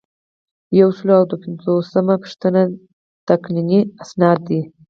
یو سل او دوه پنځوسمه پوښتنه تقنیني اسناد دي.